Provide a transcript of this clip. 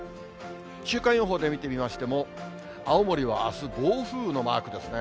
週間予報で見てみましても、青森はあす、暴風雨のマークですね。